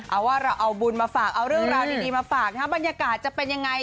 เอาว่าเราเอาบุญมาฝากเอาเรื่องราวดีมาฝากนะครับบรรยากาศจะเป็นยังไง